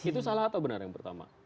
itu salah atau benar yang pertama